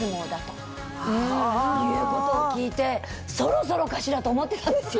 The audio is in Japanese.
いうことを聞いて「そろそろかしら」と思ってたんですよ。